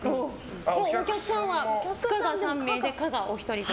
お客さんは不可が３名で可がお一人と。